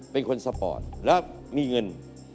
เป็นคนสปอร์ตแล้วมีเงิน